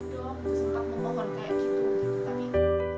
dong sempat memohon kayak gitu